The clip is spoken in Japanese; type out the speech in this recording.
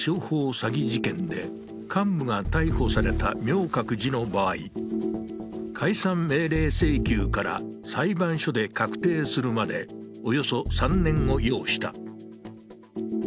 詐欺事件で幹部が逮捕された明覚寺の場合、解散命令請求から裁判所で確定するまでおよそ３年を要した。